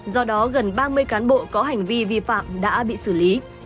do đó gần ba mươi cán bộ có hành vi vi phạm đã bị xử lý